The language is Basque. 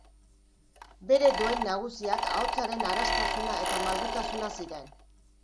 Bere dohain nagusiak ahotsaren araztasuna eta malgutasuna ziren.